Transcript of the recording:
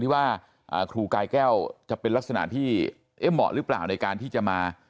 ที่ว่าครูกายแก้วจะเป็นลักษณะที่เอ๊ะเหมาะหรือเปล่าในการที่จะมา